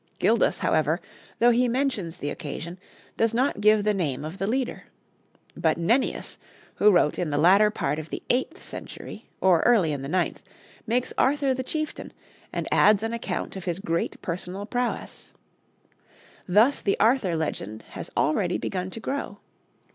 Gildas, however, though he mentions the occasion, does not give the name of the leader. But Nennius, who wrote in the latter part of the eighth century, or early in the ninth, makes Arthur the chieftain, and adds an account of his great personal prowess. Thus the Arthur legend has already begun to grow.